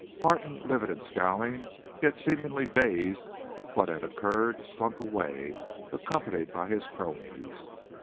Martin, livid and scowling, yet seemingly dazed with what had occurred, slunk away, accompanied by his cronies.